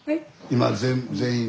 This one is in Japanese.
今全員で。